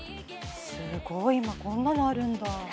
すごい今こんなのあるんだ。